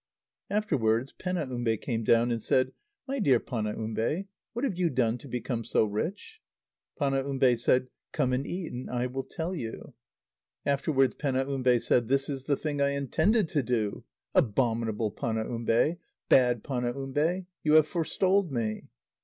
Afterwards Penaumbe came down and said: "My dear Panaumbe, what have you done to become so rich?" Panaumbe said: "Come and eat, and I will tell you." Afterwards Penaumbe said: "This is the thing I intended to do. Abominable Panaumbe! bad Panaumbe! you have forestalled me."